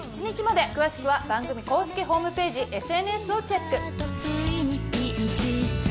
詳しくは番組公式ホームページＳＮＳをチェック！